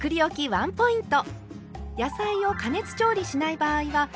ワンポイント。